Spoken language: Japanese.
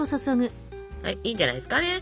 はいいいんじゃないですかね。